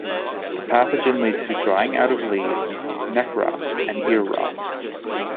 The pathogen leads to drying out of leaves, neck rots and ear rots.